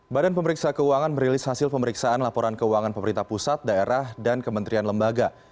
badan pemeriksa keuangan merilis hasil pemeriksaan laporan keuangan pemerintah pusat daerah dan kementerian lembaga